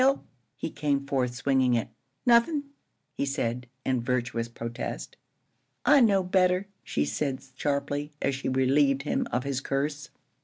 He came forth, swinging it. "Nothin'," he said, in virtuous protest. "I know better," she said, sharply, as she relieved him of his curse.